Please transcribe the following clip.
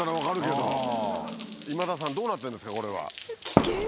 今田さんどうなってんですかこれは。